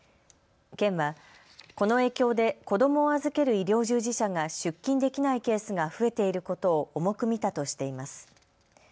県はこの影響で子どもを預ける医療従事者が出勤できないケースが増えていることを重く見たとしています。